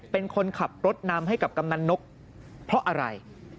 เป็นคนขับรถนำให้กับกำนันนกเพราะอะไร